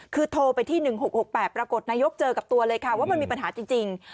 คือโทรไปที่๑๖๖๘ปรากฏนายกเจอกับตัวเลยค่ะว่ามันมีปัญหาจริง